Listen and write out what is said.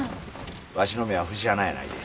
わしの目は節穴やないで。